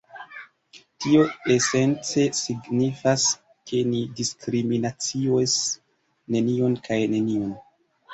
Tio esence signifas, ke ni diskriminacios nenion kaj neniun.